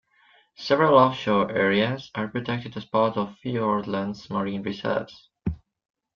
Several offshore areas are protected as part of Fiordland's marine reserves.